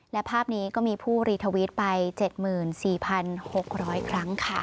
และภาพนี้ก็มีผู้รีทวิตไป๗๔๖๐๐ครั้งค่ะ